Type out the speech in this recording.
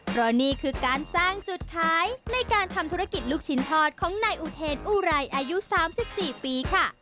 เพราะนี่คือการสร้างจุดขายในการทำธุรกิจลูกชิ้นทอดของนายอุเทนอุไรอายุ๓๔ปีค่ะ